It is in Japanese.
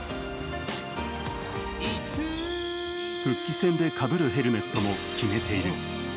復帰戦でかぶるヘルメットも決めている。